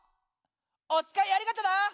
おつかいありがとな！